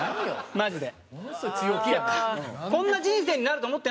マジで。